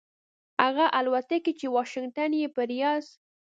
هغه الوتکې چې واشنګټن یې پر ریاض